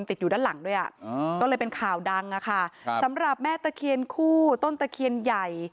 ติดอยู่ด้านหลังด้วยอ่ะก็เลยเป็นข่าวดังอะค่ะครับสำหรับแม่ตะเคียนคู่ต้นตะเคียนใหญ่